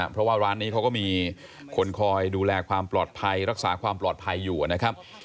เพราะว่าร้านนี้เขาก็มีคนคอยดูแลความปลอดภัยรักษาความปลอดภัยอยู่นะครับ